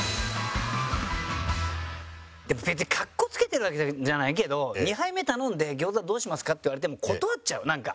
でも別に格好付けてるわけじゃないけど２杯目頼んで「餃子どうしますか？」って言われても断っちゃうなんか。